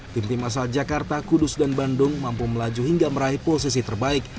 tim tim asal jakarta kudus dan bandung mampu melaju hingga meraih posisi terbaik